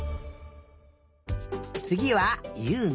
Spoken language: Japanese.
つぎはゆうな。